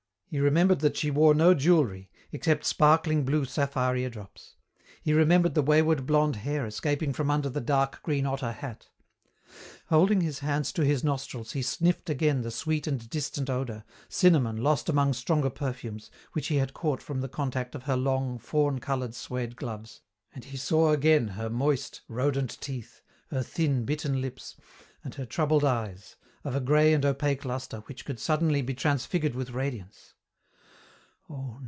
He remembered that she wore no jewellery, except sparkling blue sapphire eardrops. He remembered the wayward blonde hair escaping from under the dark green otter hat. Holding his hands to his nostrils he sniffed again the sweet and distant odour, cinnamon lost among stronger perfumes, which he had caught from the contact of her long, fawn coloured suède gloves, and he saw again her moist, rodent teeth, her thin, bitten lips, and her troubled eyes, of a grey and opaque lustre which could suddenly be transfigured with radiance.